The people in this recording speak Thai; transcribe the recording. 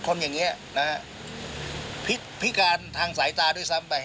คนอย่างนี้นะฮะพิการทางสายตาด้วยซ้ำไป